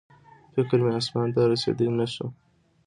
فکر مې اسمان ته رسېدی نه شو